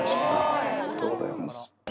ありがとうございます。